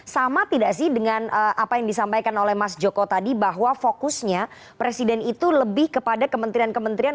sama tidak sih dengan apa yang disampaikan oleh mas joko tadi bahwa fokusnya presiden itu lebih kepada kementerian kementerian